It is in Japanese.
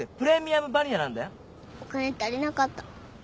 お金足りなかった。